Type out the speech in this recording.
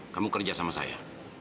kamu kerja sama saya